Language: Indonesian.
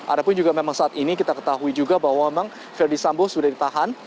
ada pun juga memang saat ini kita ketahui juga bahwa memang verdi sambo sudah ditahan